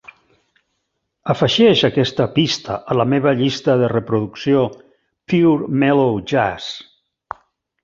afegeix aquesta pista a la meva llista de reproducció Pure Mellow Jazz